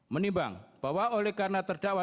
menimbang bahwa oleh karena terdakwa